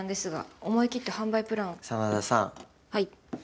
はい。